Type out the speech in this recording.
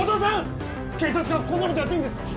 警察がこんなことやっていいんですか！？